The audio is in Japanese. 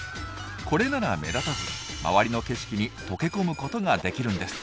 これなら目立たず周りの景色に溶け込むことができるんです。